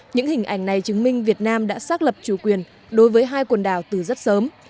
những hình ảnh này chứng minh việt nam đã xác lập chủ quyền đối với hai quần đảo từ rất sớm